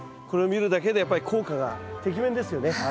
これを見るだけでやっぱり効果がてきめんですよね。